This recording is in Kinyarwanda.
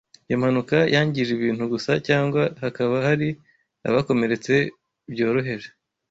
Iyo impanuka yangije ibintu gusa cyangwa hakaba hari abakomeretse byoroheje